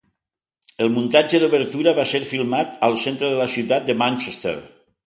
El muntatge d'obertura va ser filmat al centre de la ciutat de Manchester.